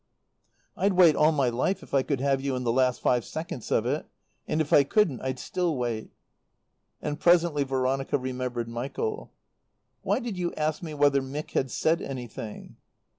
"I'd wait all my life if I could have you in the last five seconds of it. And if I couldn't, I'd still wait." And presently Veronica remembered Michael. "Why did you ask me whether Mick had said anything?"